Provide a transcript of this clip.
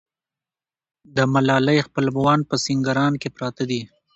د ملالۍ خپلوان په سینګران کې پراته دي.